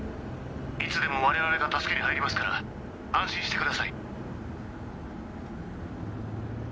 いつでも我々が助けに入りますから安心してください